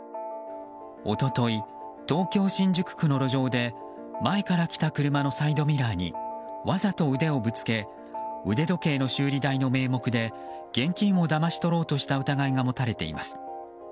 一昨日、東京・新宿区の路上で前から来た車のサイドミラーにわざと腕をぶつけ腕時計の修理代の名目で現金をだまし取ろうとした疑いが持たれています。